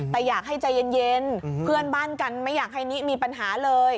แต่อยากให้ใจเย็นเพื่อนบ้านกันไม่อยากให้นิมีปัญหาเลย